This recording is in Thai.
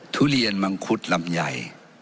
ทุเรียนมังคุดลำใหญ่